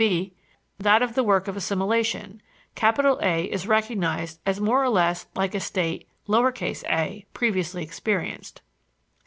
(b) That of the work of assimilation; A is recognized as more or less like a state a previously experienced.